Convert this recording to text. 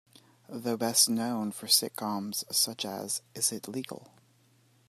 Though best known for sitcoms - such as Is It Legal?